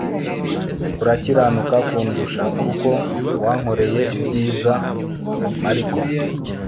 urakiranuka kundusha l kuko wankoreye ibyiza m ariko